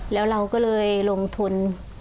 แล้วเราก็เลยลงทุน